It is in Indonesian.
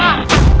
mas dua puluh asib